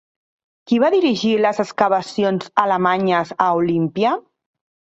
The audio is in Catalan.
Qui va dirigir les excavacions alemanyes a Olímpia?